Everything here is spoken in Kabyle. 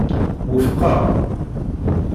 Wufqeɣ.